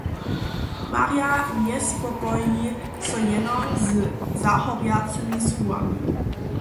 Marja njespokoji so jeno z zahorjacymi słowami.